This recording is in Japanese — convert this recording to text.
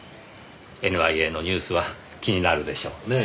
ＮＩＡのニュースは気になるでしょうねぇ。